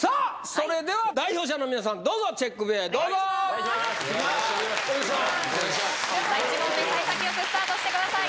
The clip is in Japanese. それでは代表者の皆さんどうぞチェック部屋へどうぞ１問目さい先よくスタートしてください